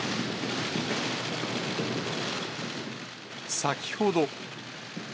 先ほど。